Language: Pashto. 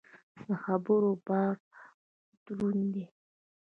د خبرو بار دروند دی.